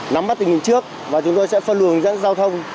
nắm bắt tình hình trước và chúng tôi sẽ phân lường dẫn giao thông